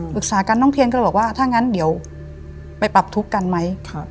ปรึกษากันน้องเทียนก็เลยบอกว่าถ้างั้นเดี๋ยวไปปรับทุกข์กันไหม